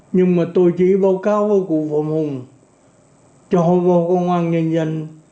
nhưng mà tôi chỉ báo cáo với cụ và hùng cho công an nhân dân